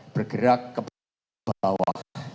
bergerak ke bawah